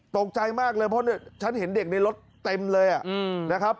ตกใจมากเลยเพราะฉันเห็นเด็กในรถเต็มเลยนะครับ